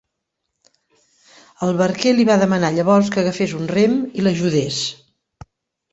El barquer li va demanar llavors que agafés un rem i l'ajudés.